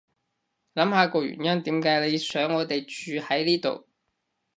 諗下個原因點解你想我哋住喺呢度